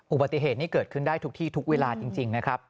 อุบัติเหตุนี้เกิดขึ้นได้ทุกที่ทุกเวลาจริงนะครับ